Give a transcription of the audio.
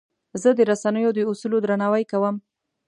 زه د رسنیو د اصولو درناوی کوم.